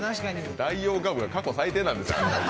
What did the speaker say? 代用ガムが過去最低なんですよ。